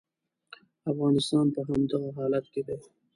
افغانستان په همدغه حالت کې دی.